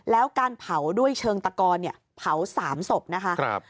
แล้วการเผาด้วยเชิงตะกอนเนี่ยเผา๓ศพนะคะ